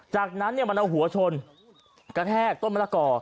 จากนั้นมันเอาหัวชนกระแทกต้นมะละกอ